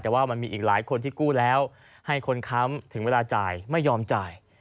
แต่ว่ามันมีอีกหลายคนที่กู้แล้วให้คนค้ำถึงเวลาจ่ายไม่ยอมจ่าย